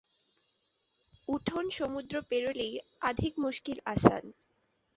এটিতে কণ্ঠ দিয়েছেন এন্থনি কভনাগ।